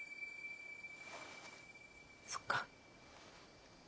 そっか。